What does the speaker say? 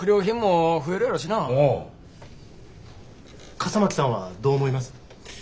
笠巻さんはどう思います？